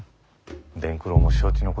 傳九郎も承知のことさ。